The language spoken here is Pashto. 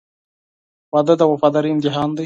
• واده د وفادارۍ امتحان دی.